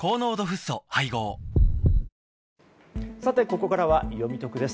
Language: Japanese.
ここからはよみトクです。